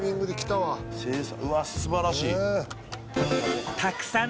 Δ錣素晴らしい。